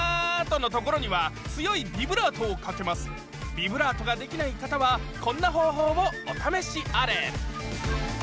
ビブラートができない方はこんな方法をお試しあれ！